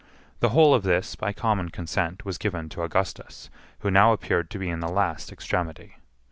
The whole of this, by common consent, was given to Augustus, who now appeared to be in the last extremity.